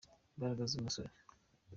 imbaraga z'umusore